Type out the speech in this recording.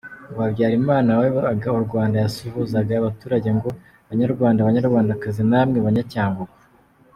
Ngo Habyarimana wayoboraga u Rwanda yasuhuzaga abaturage ngo “Banyarwanda, banyarwandakazi namwe Banyacyangugu.